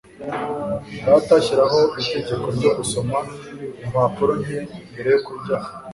Data ashyiraho itegeko ryo gusoma impapuro nke mbere yo kuryama